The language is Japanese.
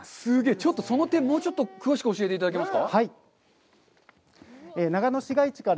ちょっとその点、もうちょっと詳しく教えていただけますか。